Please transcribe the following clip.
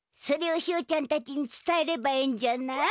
それをひよちゃんたちにつたえればええんじゃな？